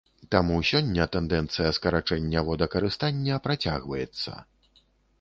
Таму, сёння тэндэнцыя скарачэння водакарыстання працягваецца.